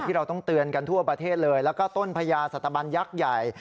เราต้องเตือนกันทั่วประเทศเลยแล้วก็ต้นพญาสัตบันยักษ์ใหญ่